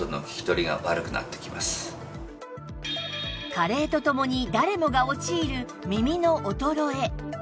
加齢とともに誰もが陥る耳の衰え